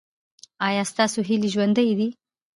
ایا ستاسو هیلې ژوندۍ دي؟